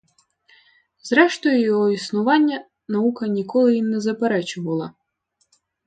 Зрештою, його існування наука ніколи й не заперечувала.